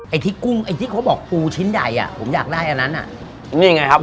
ไอ้ที่กุ้งไอ้ที่เขาบอกปูชิ้นใหญ่อ่ะผมอยากได้อันนั้นอ่ะนี่ไงครับ